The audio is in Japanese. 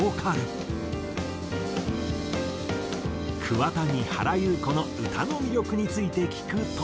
桑田に原由子の歌の魅力について聞くと。